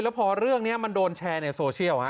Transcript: แล้วพอเรื่องนี้มันโดนแชร์ในโซเชียล